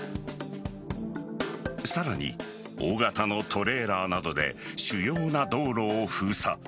さらに、大型のトレーラーなどで主要な道路を封鎖。